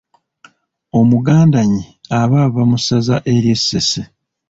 Omugandannyi aba ava mu ssaza ery’e Ssese.